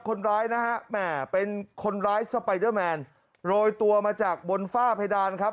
คนร้ายนะฮะแหมเป็นคนร้ายสไปเดอร์แมนโรยตัวมาจากบนฝ้าเพดานครับ